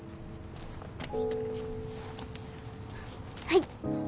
はい。